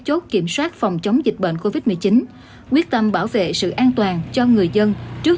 chốt kiểm soát phòng chống dịch bệnh covid một mươi chín quyết tâm bảo vệ sự an toàn cho người dân trước